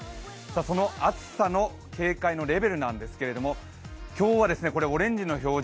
その暑さの警戒のレベルなんですけど、今日はオレンジの表示